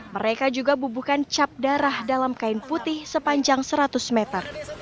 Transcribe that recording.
mereka juga bubuhkan cap darah dalam kain putih sepanjang seratus meter